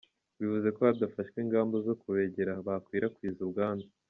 Bivuze ko hadafashwe ingamba zo kubegera bakwirakwiza ubwandu.